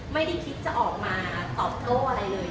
ไม่ได้คิดจะออกมาตอบโต้อะไรเลย